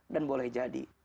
dan boleh jadi